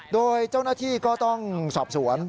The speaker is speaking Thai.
โดยเจ้าหน้าที่ก็ต้องสอบสวน